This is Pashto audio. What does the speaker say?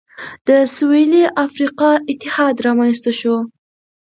د سوېلي افریقا اتحاد رامنځته شو.